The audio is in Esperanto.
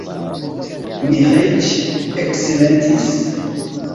Miĥeiĉ eksilentis.